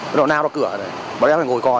coi nhưng mà không có vậy